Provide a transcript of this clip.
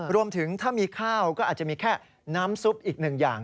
รวมถึงถ้ามีข้าวก็อาจจะมีแค่น้ำซุปอีกหนึ่งอย่าง